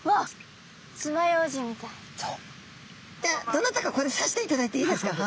どなたかこれ刺していただいていいですか？